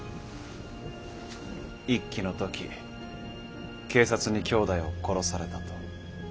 一揆の時警察に兄弟を殺されたと。